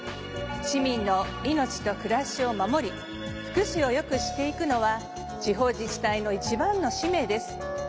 市民の命と暮らしを守り福祉を良くしていくのは地方自治体の一番の使命です。